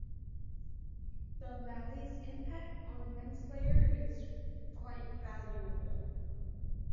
The Lallys' impact on Rensselaer is quite valuable.